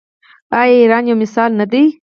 آیا ایران یو مثال نه دی؟